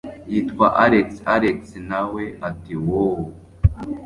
yitwa alex alex nawe ati wooowww